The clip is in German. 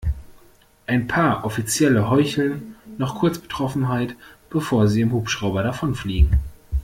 Ein paar Offizielle heucheln noch kurz Betroffenheit, bevor sie im Hubschrauber davonfliegen.